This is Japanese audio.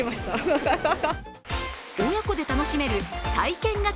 親子で楽しめる体験型